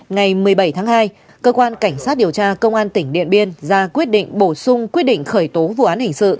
ngày một mươi bảy tháng hai cơ quan cảnh sát điều tra công an tỉnh điện biên ra quyết định bổ sung quyết định khởi tố vụ án hình sự